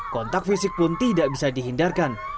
kontak fisik pun tidak bisa dihindarkan